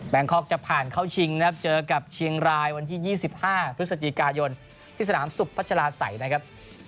งคอกจะผ่านเข้าชิงนะครับเจอกับเชียงรายวันที่๒๕พฤศจิกายนที่สนามสุขพัชลาศัยนะครับ